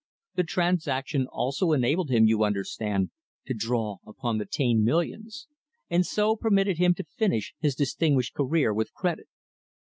The transaction also enabled him, you understand, to draw upon the Taine millions; and so permitted him to finish his distinguished career with credit.